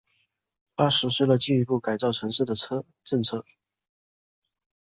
他实施了进一步改造城市的政策。